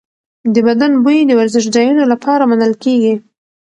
د بدن بوی د ورزشځایونو لپاره منل کېږي.